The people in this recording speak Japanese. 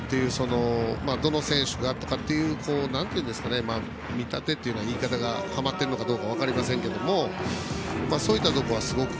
どの選手がとかっていう見立てという言い方がはまっているかどうか分かりませんけれどもそういったところはすごく。